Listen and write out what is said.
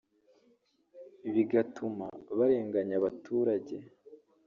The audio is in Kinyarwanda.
bigatuma barenganya abaturage